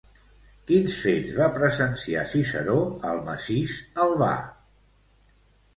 Quins fets va presenciar Ciceró al massís Albà?